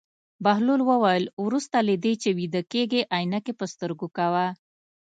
بهلول وویل: وروسته له دې چې ویده کېږې عینکې په سترګو کوه.